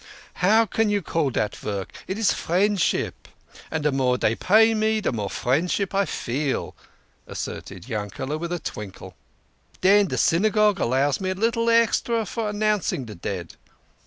How can you call that vork ? It is friendship. And the more dey pay me de more friendship I feel," asserted Yankele with a twinkle. " Den de Synagogue allows me a little extra for announcing de dead."